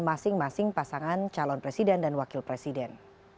masing masing pasangan calon presiden dan wakil presiden